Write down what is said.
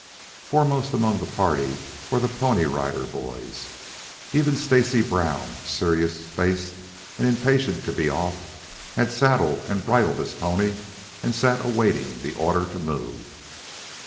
Foremost among the party were the Pony Rider Boys. Even Stacy Brown, serious faced and impatient to be off, had saddled and bridled his pony and sat awaiting the order to move.